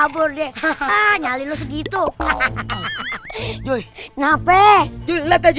banyak banget syaratnya om